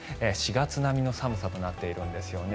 ４月並みの寒さとなっているんですよね。